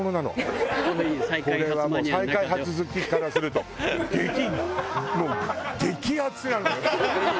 これはもう再開発好きからすると激もう激アツなのよこれ。